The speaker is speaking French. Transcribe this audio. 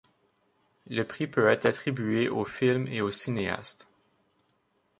Le prix peut être attribué aux films et aux cinéastes.